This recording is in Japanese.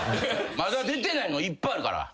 まだ出てないのいっぱいある。